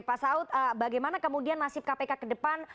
pak saud bagaimana kemudian nasib kpk ke depan